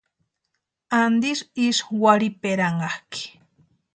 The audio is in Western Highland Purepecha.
¿Antisï ísï warhiperanhakʼi?